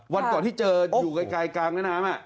วันก่อนที่เจออยู่ไกลกลางแม่น้ำ